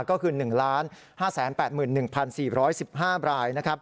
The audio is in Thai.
ก็คือ๑๕๘๑๔๑๕ราย